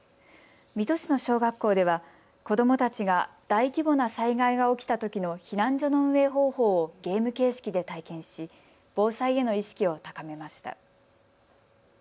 水戸市の小学校では子どもたちが大規模な災害が起きたときの避難所の運営方法をゲーム形式で体験し、防災への意識を高めました。